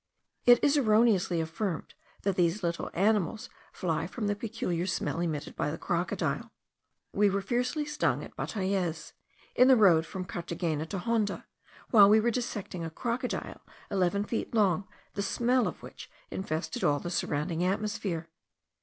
It is erroneously affirmed that these little animals fly from the peculiar smell emitted by the crocodile. We were fear fully stung at Bataillez, in the road from Carthagena to Honda, while we were dissecting a crocodile eleven feet long, the smell of which infested all the surrounding atmosphere.